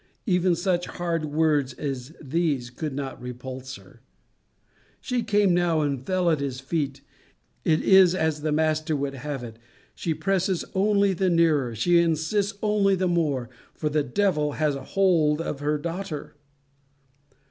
Even such hard words as these could not repulse her. She came now and fell at his feet. It is as the Master would have it: she presses only the nearer, she insists only the more; for the devil has a hold of her daughter.